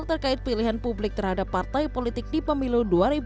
terkait pilihan publik terhadap partai politik di pemilu dua ribu dua puluh